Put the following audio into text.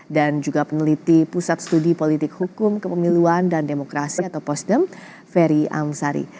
dan juga peneliti pusat studi politik hukum kepemiluan dan demokrasi atau posdem ferry amsari